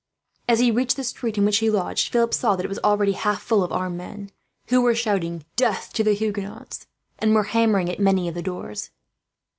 As he reached the street in which he lodged, Philip saw that it was already half full of armed men, who were shouting "Death to the Huguenots!" and were hammering at many of the doors.